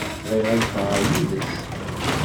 Bɣiɣ ad ffɣeɣ yid-s.